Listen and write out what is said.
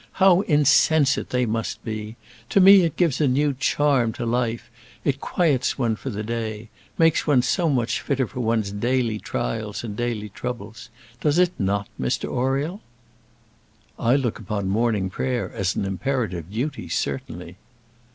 "How insensate they must be! To me it gives a new charm to life. It quiets one for the day; makes one so much fitter for one's daily trials and daily troubles. Does it not, Mr Oriel?" "I look upon morning prayer as an imperative duty, certainly."